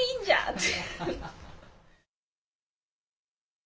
って。